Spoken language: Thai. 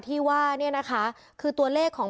ที่ว่าคือตัวเลขของ